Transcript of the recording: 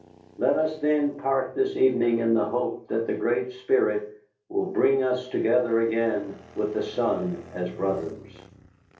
Let us then part this evening in the hope that the Great Spirit will bring us together again with the sun as brothers."